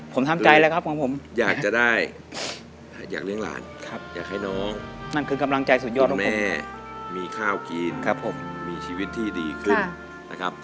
ผมทำใจเลยครับของผมอยากจะได้อยากเลี้ยงหลานอยากให้น้องคุณแม่มีข้าวกินมีชีวิตที่ดีขึ้น